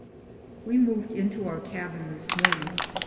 We moved into our cabin this morning.